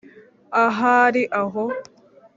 ahari aho